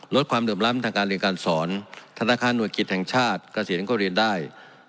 ลดความเหลื่อมล้ำทางการเรียนการสอนธนาคารหน่วยกิจแห่งชาติเกษียณก็เรียนได้